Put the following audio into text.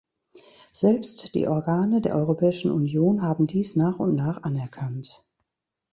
Selbst die Organe der Europäischen Union haben dies nach und nach anerkannt.